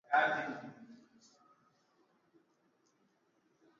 unaweza kuSaga viazi kishe mashineni